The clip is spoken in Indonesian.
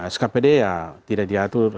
skpd ya tidak diatur